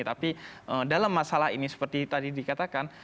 tapi dalam masalah ini seperti tadi dikatakan